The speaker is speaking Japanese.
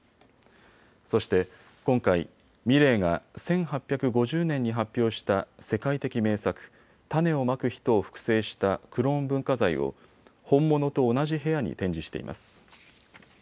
そして今回、ミレーが１８５０年に発表した世界的名作、種をまく人を複製したクローン文化財を本物と同じ部屋に展示しています。